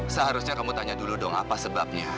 seharusnya kamu tanya dulu dong apa sebabnya